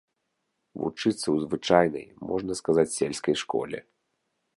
Вучыцца ў звычайнай, можна сказаць, сельскай школе.